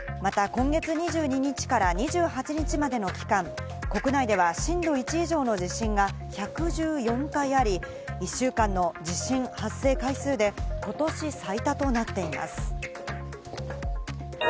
また今月２２日から２８日までの期間、国内では震度１以上の地震が１１４回あり、１週間の地震発生回数でことし最多となっています。